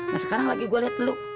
nah sekarang lagi gue liat lu